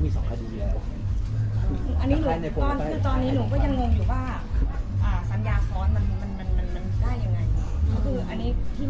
เอาไงก็แล้วแต่ล่ะ